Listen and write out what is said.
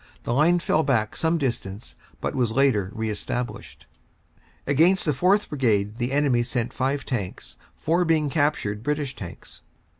The line fell back some distance but was later re established. Against the 4th. Brigade the enemy sent five tanks, four being captured British tanks.